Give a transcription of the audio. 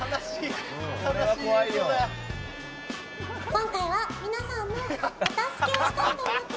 今回は皆さんのお助けをしたいと思っています。